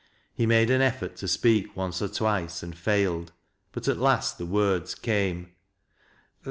He made an effort to speak once or twice and failed, but at last the words came.